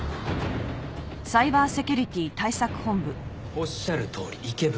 おっしゃるとおり池袋。